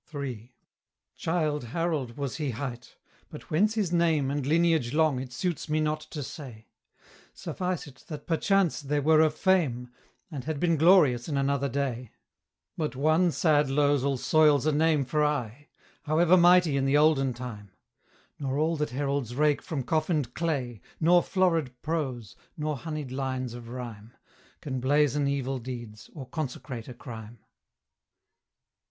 III. Childe Harold was he hight: but whence his name And lineage long, it suits me not to say; Suffice it, that perchance they were of fame, And had been glorious in another day: But one sad losel soils a name for aye, However mighty in the olden time; Nor all that heralds rake from coffined clay, Nor florid prose, nor honeyed lines of rhyme, Can blazon evil deeds, or consecrate a crime.